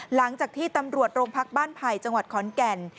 หลังจากที่ตำรวจโรงพักบ้านไผ่จังหวัดขอนแก่น